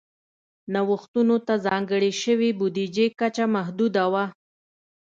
نوښتونو ته ځانګړې شوې بودیجې کچه محدوده وه.